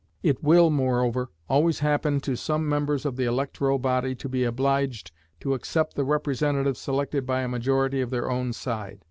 It will, moreover, always happens to some members of the electoral body to be obliged to accept the representative selected by a majority of their own side.